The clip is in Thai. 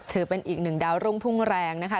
ถือเป็นอีกหนึ่งดาวรุ่งพุ่งแรงนะคะ